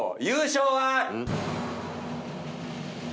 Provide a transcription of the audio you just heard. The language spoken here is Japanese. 優勝は。